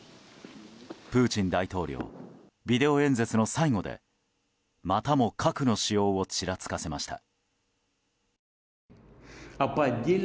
プーチン大統領ビデオ演説の最後でまたも核の使用をちらつかせました。